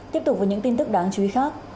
tiếp tục với những tin tức đáng chú ý khác